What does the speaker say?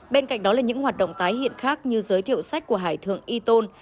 bên cạnh đó là những hoạt động tái hiện khác như giới thiệu sách của hải thượng y tôn